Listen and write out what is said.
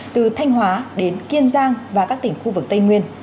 từ thanh hóa đến kiên giang và các tỉnh khu vực tây nguyên